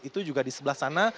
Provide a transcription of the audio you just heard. itu juga di sebelah sana